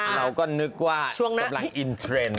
เราก็นึกว่ากำลังอินเทรนด์